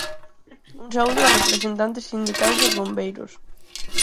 Un saúdo aos representantes sindicais dos bombeiros.